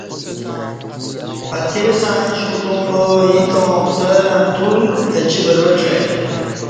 اتکی ستݩع ایݩش کُوتم با ایں تاوں پترں پتول اچی بروڄہ ائ۔